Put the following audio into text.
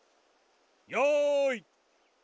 よい。